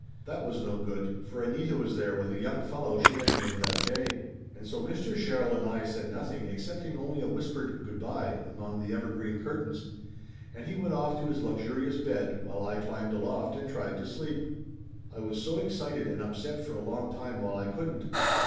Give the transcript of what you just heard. That was no good, for Anita was there with a young fellow she had made that day. And so Mr. Sherrill and I said nothing excepting only a whispered "Good by" among the evergreen curtains, and he went off to his luxurious bed while I climbed aloft and tried to sleep. I was so excited and upset for a long time while I couldn't.